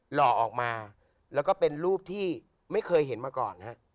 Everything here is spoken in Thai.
หล่อออกมาแล้วก็เป็นรูปที่ไม่เคยเห็นมาก่อนฮะ